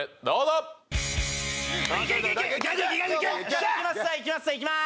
俺いきます